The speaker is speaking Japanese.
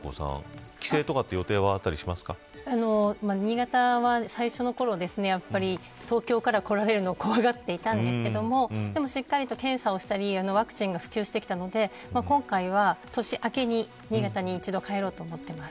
帰省とかって予定あったり新潟は最初のころ東京から来られるのを怖がっていたんですけれどもでもしっかりと検査をしたりワクチンが普及してきたので今回は年明けに新潟に一度帰ろうと思ってます。